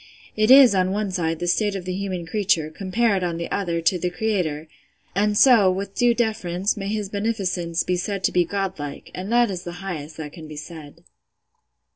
It is, on one side, the state of the human creature, compared, on the other, to the Creator; and so, with due deference, may his beneficence be said to be Godlike, and that is the highest that can be said.